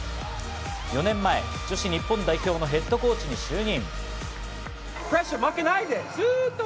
４年前、女子日本代表のヘッドコーチに就任。